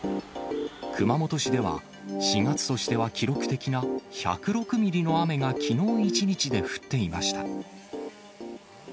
熊本市では、４月としては記録的な１０６ミリの雨がきのう一日で降っていました。